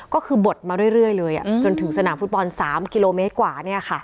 ก็คือบดมาเรื่อยเลยจนถึงสนามฟุตบอล๓กิโลเมตรกว่า